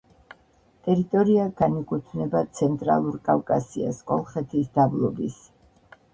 ტერიტორია განეკუთვნება ცენტრალურ კავკასიას, კოლხეთის დაბლობის